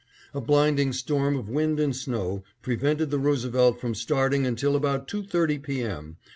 A blinding storm of wind and snow prevented the Roosevelt from starting until about two thirty P. M.